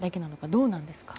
どうなんですか？